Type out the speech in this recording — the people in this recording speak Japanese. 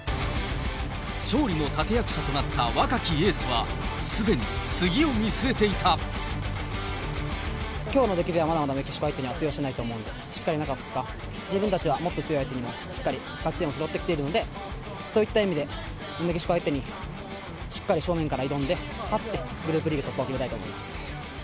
勝利の立て役者となった若きエースは、すでに次を見据えていきょうの出来ではまだまだ、メキシコ相手に通用しないと思うので、しっかり中２日、自分たちはもっと強い相手にもしっかり勝ち点を拾ってきているので、そういった意味で、メキシコ相手にしっかり正面から挑んで、勝って、グループリーグ突破を決めたいと思います。